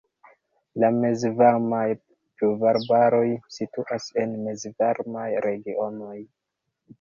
La mezvarmaj pluvarbaroj situas en mezvarmaj regionoj.